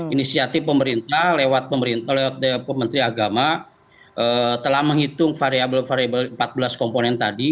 inisiatif pemerintah lewat pemerintah lewat menteri agama telah menghitung variable variable empat belas komponen tadi